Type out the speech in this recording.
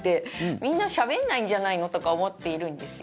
みんなしゃべんないんじゃないの？とか思っているんですよ。